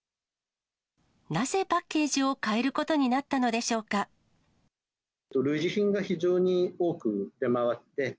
なぜパッケージを変えること類似品が非常に多く出回って。